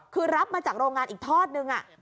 ขับมาจากโรงงานอีกทอดนึงอ่ะ